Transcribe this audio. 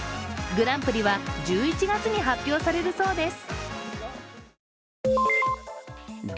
グランプリは１１月に発表されるそうです。